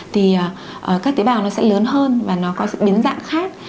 thì các tế bào nó sẽ lớn hơn và nó có biến dạng khác